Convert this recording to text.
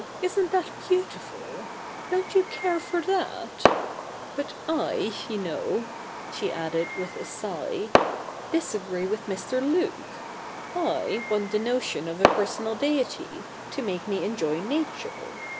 Isn't that beautiful ? Don't you care for that ? But I, you know,' she added with a sigh, ' disagree with Mr. Luke. / want the notion of a personal deity, to make me enjoy nature.